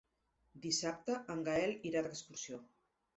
Dissabte en Gaël irà d'excursió.